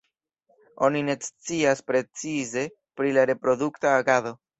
Oni ne scias precize pri la reprodukta agado.